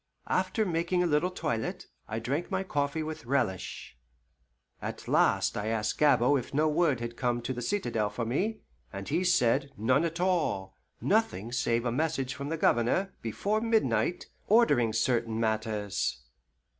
After making a little toilette, I drank my coffee with relish. At last I asked Gabord if no word had come to the citadel for me; and he said, none at all, nothing save a message from the Governor, before midnight, ordering certain matters.